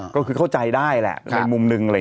ก็คือเข้าใจได้แหละในมุมหนึ่ง